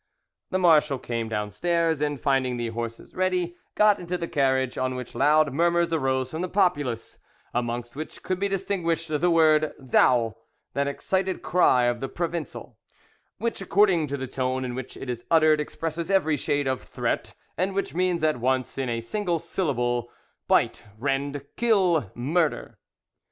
The marshal came downstairs, and finding the horses ready, got into the carriage, on which loud murmurs arose from the populace, amongst which could be distinguished the terrible word 'zaou!' that excited cry of the Provencal, which according to the tone in which it is uttered expresses every shade of threat, and which means at once in a single syllable, "Bite, rend, kill, murder!"